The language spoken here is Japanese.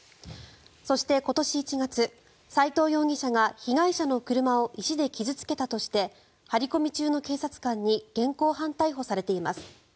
そして今年１月、斎藤容疑者が被害者の車を石で傷付けたとして張り込み中の警察官に現行犯逮捕されています。